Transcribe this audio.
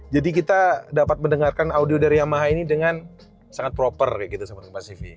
jadi kita dapat mendengarkan audio dari yamaha ini dengan sangat proper kayak gitu sama teman teman cv